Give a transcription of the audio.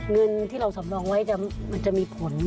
เงินที่เราสำรองไว้มันจะมีผล